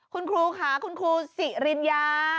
คุณครูค่ะคุณครูสิริญญา